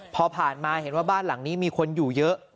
พอผ่านมาเห็นว่าบ้านหลังนี้มีคนอยู่เยอะ